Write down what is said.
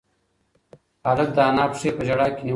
هلک د انا پښې په ژړا کې نیولې وې.